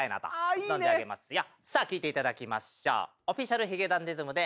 さあ聴いていただきましょう。